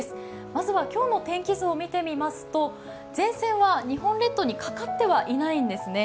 まずは今日の天気図を見てみますと前線は日本列島にかかってはいないんですね。